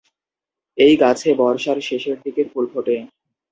এই গাছে বর্ষার শেষের দিকে ফুল ফোটে।